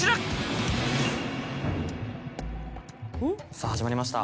さぁ始まりました。